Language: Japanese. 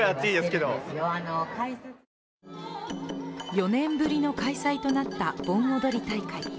４年ぶりの開催となった盆踊り大会。